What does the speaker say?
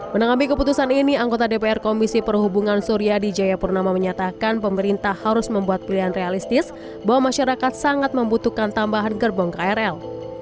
menanggapi keputusan ini anggota dpr komisi perhubungan suryadi jayapurnama menyatakan pemerintah harus membuat pilihan realistis bahwa masyarakat sangat membutuhkan tambahan gerbong krl